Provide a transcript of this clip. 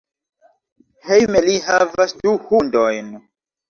Hejme li havas du hundojn.